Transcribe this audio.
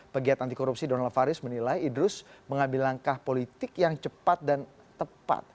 pegiat anti korupsi donald faris menilai idrus mengambil langkah politik yang cepat dan tepat